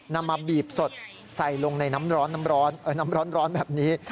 นำมาบีบสดใส่ลงในน้ำร้อนแบบนี้